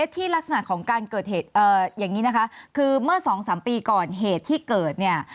ที่ลักษณะของการเกิดเหตุอย่างนี้นะคะคือเมื่อสองสามปีก่อนเหตุที่เกิดเนี่ย